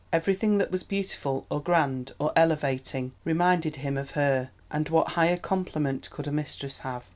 Everything that was beautiful, or grand, or elevating, reminded him of her—and what higher compliment could a mistress have?